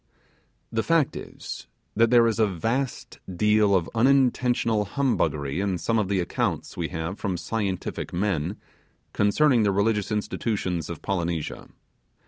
The fact is, that there is a vast deal of unintentional humbuggery in some of the accounts we have from scientific men concerning the religious institutions of Polynesia.